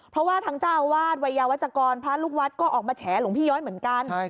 เพราะว่าทางเจ้าวาสไวยาวัตกรพระลูกวัตมันเป็นแบบเหมือนกัน